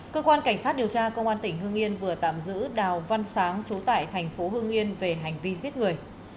cơ quan cảnh sát điều tra công an tỉnh hương yên vừa tạm giữ đào văn sáng trú tại thành phố hương yên về hành vi giết người